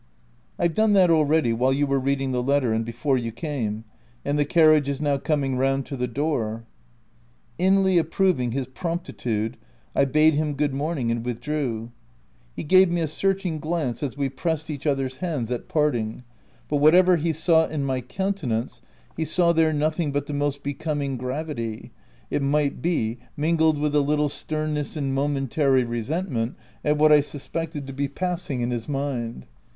''" I've done that, already, while you were reading the letter, and before you came ; and the carriage is now coming round to the door.'' Inly approving his promptitude, I bade him good morning, and withdrew. He gave me a searching glance as we pressed each other's hands at parting ; but whatever he sought in my countenance, he saw there no thing but the most becoming gravity, it might 254 THE TENANT be, mingled with a little sternness in momentary resentment at what I suspected to be passing in his mind.